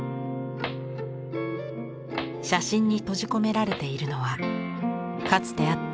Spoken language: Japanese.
写真に閉じ込められているのはかつてあった